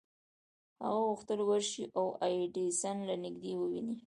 هغه غوښتل ورشي او ایډېسن له نږدې وويني.